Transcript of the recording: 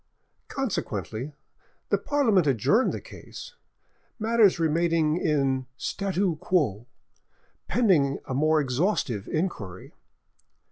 Consequently the Parliament adjourned the case, matters remaining in 'statu quo', pending a more exhaustive inquiry.